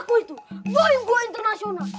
gak tau boing gue internasional